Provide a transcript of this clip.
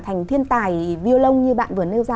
thành thiên tài viêu lông như bạn vừa nêu ra